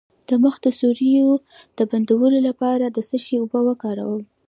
د مخ د سوریو د بندولو لپاره د څه شي اوبه وکاروم؟